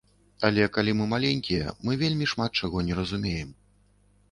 Але калі мы маленькія, мы вельмі шмат чаго не разумеем.